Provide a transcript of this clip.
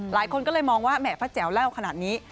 หลายคนก็เลยมองว่าแหมพระแจ๋วเล่าขนาดนี้